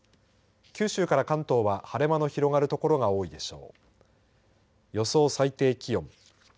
九州から関東は晴れ間の広がる所が多いでしょう。